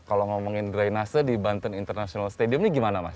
kalau ngomongin drainase di banten international stadium ini gimana mas